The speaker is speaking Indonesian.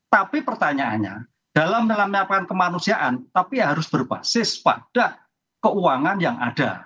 tapi pertanyaannya dalam dalam melakukan kemanusiaan tapi harus berbasis pada keuangan yang ada